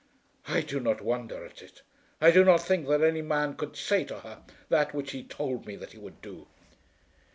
"I do not wonder at it. I do not think that any man could say to her that which he told me that he would do."